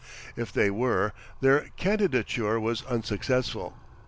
If they were, their candidature was unsuccessful.